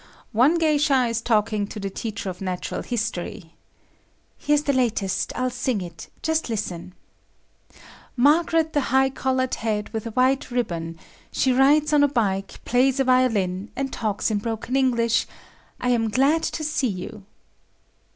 One geisha is talking to the teacher of natural history: "Here's the latest. I'll sing it. Just listen. 'Margaret, the high collared head with a white ribbon; she rides on a bike, plays a violin, and talks in broken English,—I am glad to see you.